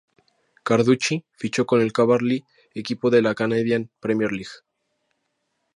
Carducci fichó con el Cavalry, equipo de la Canadian Premier League.